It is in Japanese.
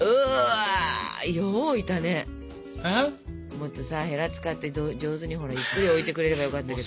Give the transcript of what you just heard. もっとさヘラ使って上手にゆっくり置いてくれればよかったけど。